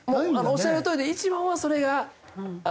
おっしゃるとおりで一番はそれが理想です。